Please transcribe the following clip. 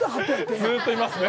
ずっといますね。